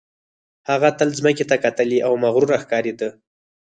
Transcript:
هغه تل ځمکې ته کتلې او مغروره ښکارېده